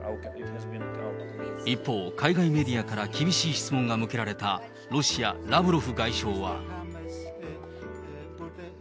一方、海外メディアから厳しい質問が向けられたロシア、ラブロフ外相は。